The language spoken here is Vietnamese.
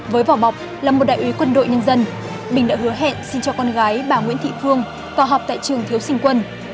với vỏ bọc là một đại úy quân đội nhân dân bình đã hứa hẹn xin cho con gái bà nguyễn thị phương có họp tại trường thiếu sinh quân